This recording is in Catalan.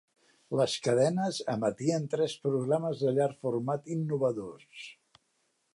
Les cadenes emetien tres programes de llarg format innovadors.